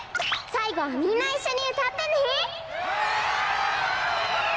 さいごはみんないっしょにうたってね！